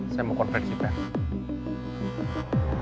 saya mau konfirmasi pak